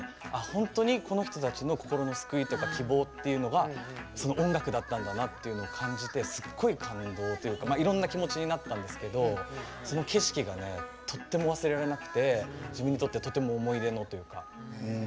本当にこの人たちの心の救いとか希望っていうのがその音楽だったんだなっていうのを感じてすっごい感動というかまあいろんな気持ちになったんですけどその景色がねとっても忘れられなくて自分にとってはとても思い出のというか心に残ってる一曲ですね。